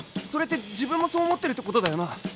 それって自分もそう思ってるってことだよな？